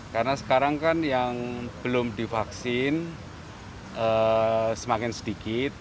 karena sekarang kan yang belum divaksin semakin sedikit